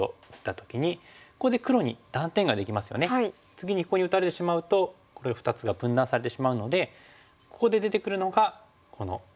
次にここに打たれてしまうとこの２つが分断されてしまうのでここで出てくるのがこのカタツギ。